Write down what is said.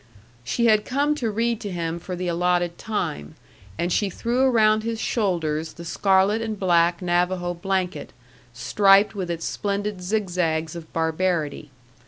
She had come to read to him for the allotted time; and she threw around his shoulders the scarlet and black Navajo blanket, striped with its splendid zigzags of barbarity.